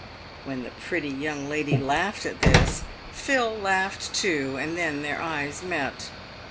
When the pretty young lady laughed at this, Phil laughed too, and then their eyes met.